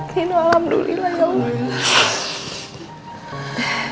nino alhamdulillah ya allah